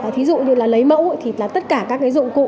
thí dụ như là lấy mẫu thì là tất cả các cái dụng cụ